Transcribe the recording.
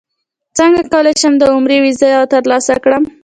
څنګه کولی شم د عمرې ویزه ترلاسه کړم